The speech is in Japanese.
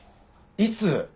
いつ？